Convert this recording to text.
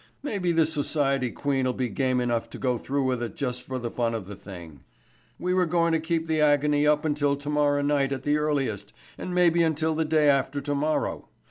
Maybe this society queen'll be game enough to go through with it just for the fun of the thing." "We were goin' to keep the agony up until tomorrow night at the earliest and maybe until the day after tomorrow.